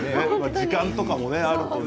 時間とかもあるとね